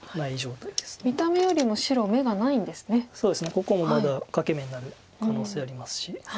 ここもまだ欠け眼になる可能性ありますし。